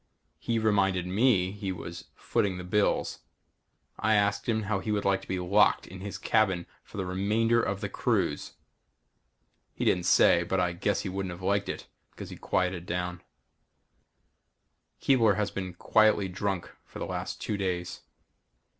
He reminded me he was footing the bills. I asked him how he would like to be locked in his cabin for the remainder of the cruise? He didn't say, but I guess he wouldn't have liked it because he quieted down. Keebler has been quietly drunk for the last two days.